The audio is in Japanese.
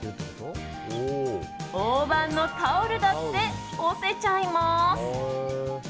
大判のタオルだって干せちゃいます。